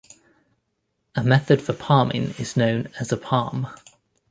A method for palming is known as a palm.